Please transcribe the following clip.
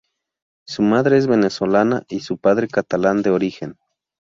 Su madre es venezolana y padre catalán de origen.